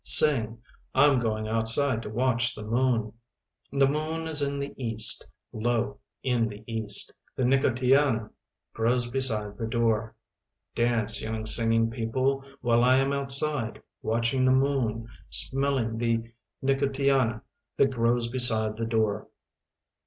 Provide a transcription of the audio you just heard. Sing. I'm going outside to watch the moon. The moon is in the east, low in the east. The nicotiana grows beside the door. Dance, young singing people, while I am outside, watching the moon, smelling the nicotiana that grows beside the door.